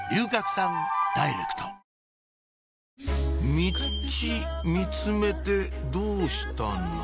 ミチ見つめてどうしたの？